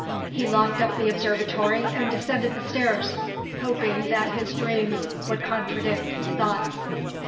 He locked up the observatory and descended the stairs, hoping that his dreams would contradict his thoughts.